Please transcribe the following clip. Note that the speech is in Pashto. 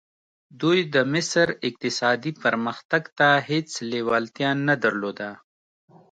دوی د مصر اقتصادي پرمختګ ته هېڅ لېوالتیا نه درلوده.